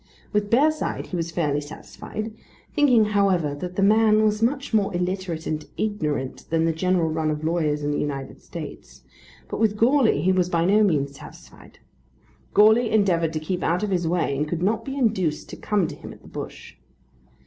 With Bearside he was fairly satisfied, thinking however that the man was much more illiterate and ignorant than the general run of lawyers in the United States; but with Goarly he was by no means satisfied. Goarly endeavoured to keep out of his way and could not be induced to come to him at the Bush.